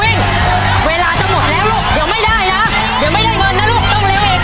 เวลาจะหมดแล้วลูกเดี๋ยวไม่ได้นะเดี๋ยวไม่ได้เงินนะลูกต้องเร็วอีก